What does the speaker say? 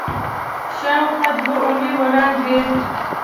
شاوخوا دوه اونۍ وړاندې